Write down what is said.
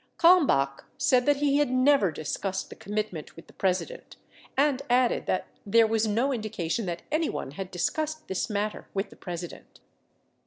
Kalmbach said that he had never discussed the commitment with the President and added that there was no indication that anyone had discussed this matter with the President.